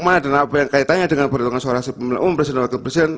mana dan apa yang kaitannya dengan berhitungan suara pemilih umum presiden wakil presiden